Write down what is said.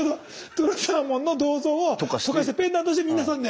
とろサーモンの銅像を溶かしてペンダントにして皆さんで。